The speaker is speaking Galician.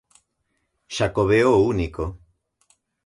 Xacobeo único.